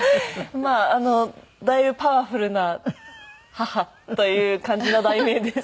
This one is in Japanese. まああのだいぶパワフルな母という感じの題名です。